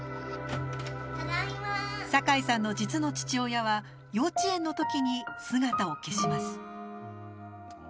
酒井さんの実の父親は幼稚園の時に姿を消します。